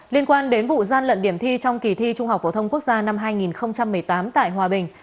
liên quan đến vụ gian lận điểm thi trong kỳ thi trung học phổ thông quốc gia năm hai nghìn một mươi tám tại hòa bình